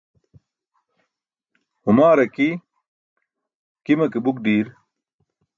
Humaaar aki, gima ke buk ḍiir